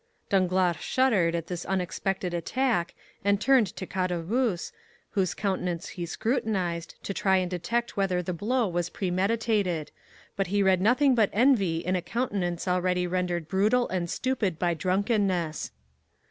Danglars shuddered at this unexpected attack, and turned to Caderousse, whose countenance he scrutinized, to try and detect whether the blow was premeditated; but he read nothing but envy in a countenance already rendered brutal and stupid by drunkenness.